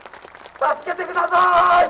助けてください。